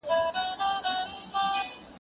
لکه چرګ په ډېران مه وایه بانګونه.